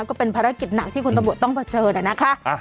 ก็เป็นภารกิจหนักที่คุณตำรวจต้องเผชิญนะคะ